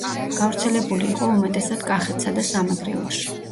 გავრცელებული იყო უმეტესად კახეთსა და სამეგრელოში.